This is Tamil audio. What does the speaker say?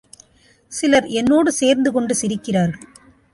சிலர் என்னோடு சேர்ந்துகொண்டு சிரிக்கிறார்கள்.